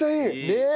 ねえ！